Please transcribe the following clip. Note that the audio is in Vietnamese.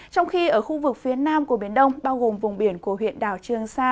trong khi ở khu vực phía nam của biển đông bao gồm vùng biển của huyện đảo trương sa